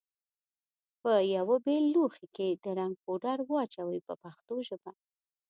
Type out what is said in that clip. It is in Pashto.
په یوه بېل لوښي کې د رنګ پوډر واچوئ په پښتو ژبه.